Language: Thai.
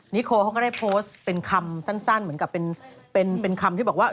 นิโคเขาก็ได้โพสต์เป็นคำสั้นเหมือนกับเป็นคำที่บอกว่า